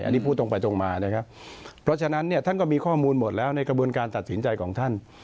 อันนี้พูดตรงไปตรงมานะครับเพราะฉะนั้นเนี่ยท่านก็มีข้อมูลหมดแล้วในกระบวนการตัดสินใจของท่าน